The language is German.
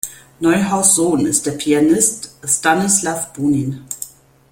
Neuhaus’ Sohn ist der Pianist Stanislaw Bunin.